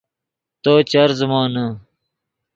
تو چر زیمونے